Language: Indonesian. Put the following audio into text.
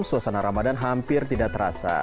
suasana ramadan hampir tidak terasa